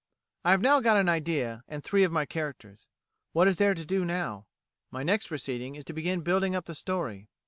"I have now got an idea, and three of my characters. What is there to do now? My next proceeding is to begin building up the story.